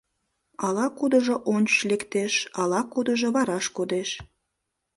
Ала-кудыжо ончыч лектеш, ала-кудыжо вараш кодеш.